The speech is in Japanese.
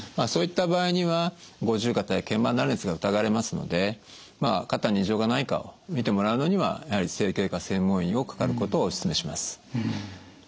そういった場合には五十肩や腱板断裂が疑われますので肩に異常がないかを診てもらうのにはやはり整形外科専門医をかかることをお勧めします。